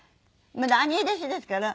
また兄弟子ですから。